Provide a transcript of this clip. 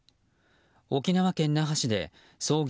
沖縄県那覇市で創業